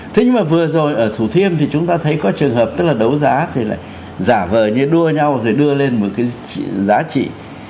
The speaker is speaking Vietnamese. thế nhưng mà vừa rồi ở thủ thiêm thì chúng ta thấy có trường hợp tức là đấu giá thì lại giả vờ như đua nhau rồi đưa lên một cái giá trị